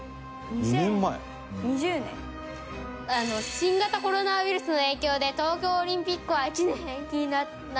新型コロナウイルスの影響で東京オリンピックが１年延期になった。